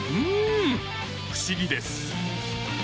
不思議です。